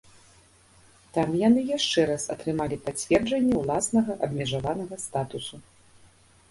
Там яны яшчэ раз атрымалі пацверджанне ўласнага абмежаванага статусу.